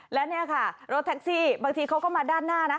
แล้วเนี่ยค่ะรถแท็กซี่บางทีเขาก็มาด้านหน้านะ